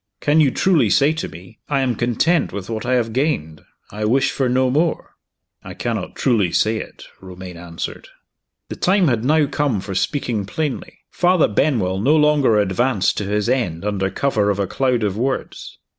Can you truly say to me, 'I am content with what I have gained; I wish for no more'?" "I cannot truly say it," Romayne answered. The time had now come for speaking plainly. Father Benwell no longer advanced to his end under cover of a cloud of words.